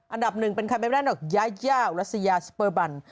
อันดับ๑เป็นใครไม่แม่นอกยายาวรัสยาสเปอร์บัน